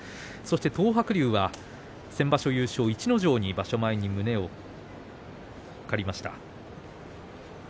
東白龍は先場所、優勝の逸ノ城２場所前に胸を借りました。